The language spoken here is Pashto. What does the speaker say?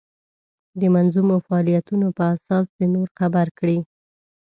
د منظمو فعالیتونو په اساس دې نور خبر کړي.